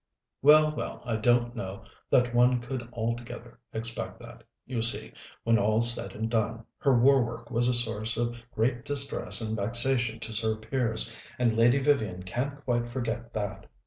"Well, well, I don't know that one could altogether expect that. You see, when all's said and done, her war work was a source of great distress and vexation to Sir Piers, and Lady Vivian can't quite forget that.